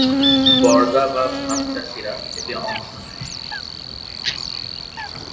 বর্গা বা ভাগ-চাষীরা এতে অংশ নেয়।